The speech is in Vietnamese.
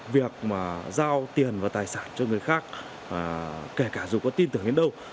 việc mà giao tiền và tài sản cho người khác kể cả dù có tin tưởng đến đâu